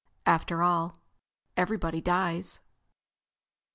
After all—everybody dies!